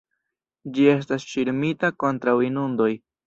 Ĝi estas ŝirmita kontraŭ inundoj.